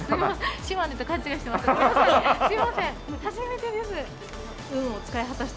島根と勘違いしてました。